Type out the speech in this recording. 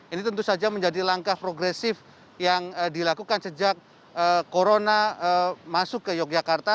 ini tentu saja menjadi langkah progresif yang dilakukan sejak corona masuk ke yogyakarta